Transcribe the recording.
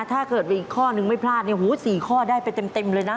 ถ้าเกิดมีอีกข้อนึงไม่พลาดเนี่ยหู๔ข้อได้ไปเต็มเลยนะ